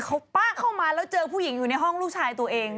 แล้วก็เอาน้ำใส่เกลือแล้วน้ำมายมทุกช